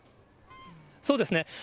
そうですね。